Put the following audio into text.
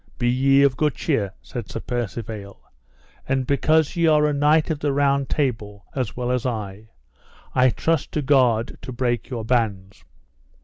Be ye of good cheer, said Sir Percivale, and because ye are a knight of the Round Table as well as I, I trust to God to break your bands.